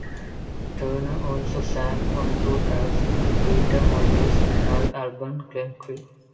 Turner also sang on two tracks of Peter Mulvey's live album "Glencree".